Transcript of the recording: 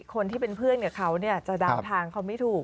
คนที่เป็นเพื่อนกับเขาจะเดาทางเขาไม่ถูก